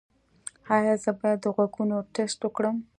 ایا زه باید د غوږونو ټسټ وکړم؟